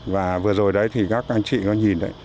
và vừa rồi đấy thì các anh chị có nhìn đấy